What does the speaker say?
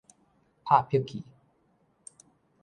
拍拍器